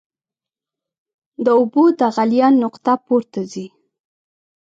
د اوبو د غلیان نقطه پورته ځي.